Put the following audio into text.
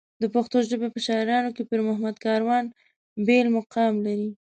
د پښتو ژبې په شاعرانو کې پېرمحمد کاروان بېل مقام لري.